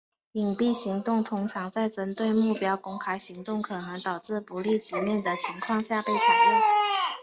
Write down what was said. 隐蔽行动通常在针对目标公开行动可能导致不利局面的情况下被采用。